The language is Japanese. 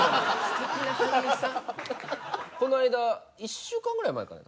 この間１週間ぐらい前かな？